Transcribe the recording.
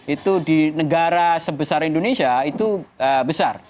itu di negara sebesar indonesia itu besar